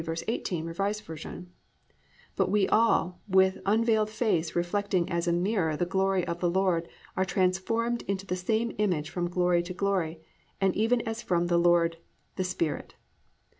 V., +"But we all, with unveiled face reflecting as a mirror the glory of the Lord, are transformed into the same image from glory to glory, and even as from the Lord the Spirit."